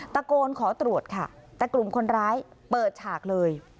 ตะโกนขอตรวจค่ะแต่กลุ่มคนร้ายเปิดฉากเลย